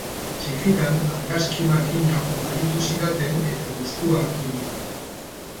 Txikitan argazki makina oparitu zidaten eta gustua hartu nion.